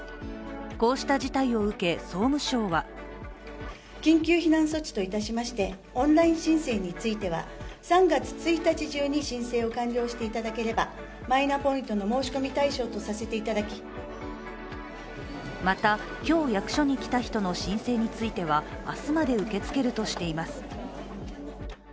こうした事態を受け総務省はまた、今日、役所に来た人の申請については明日まで受け付けるとしています。